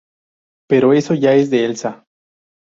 Pero eso ya es el Esla.